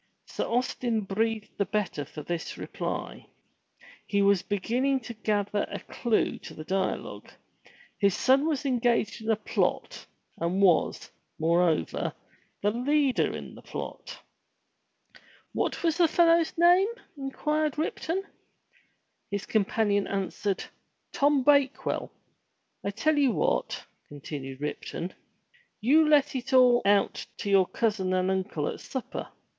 Sir Austin breathed the better for this reply. He was begin ning to gather a clue to the dialogue. His son was engaged in a plot, and was, moreover, the leader in the plot. "What was the fellow's name?" inquired Ripton. His companion answered, *'Tom Bakewell." "I tell you what," continued Ripton, "you let it all out to your cousin and uncle at supper.